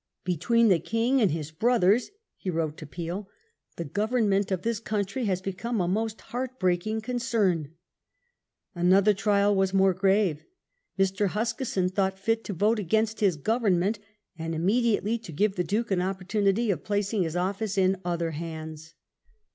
"Between the King and his brothers," he wrote to Peel, "the government of this country has become a most heart breaking concern." Another trial was more grave. Mr. Huskisson thought fit to vote against his Government, and immediately to give the Duke an opportunity of placing his office in other hands.